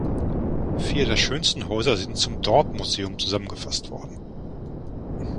Vier der schönsten Häuser sind zum "Dorp Museum" zusammengefasst worden.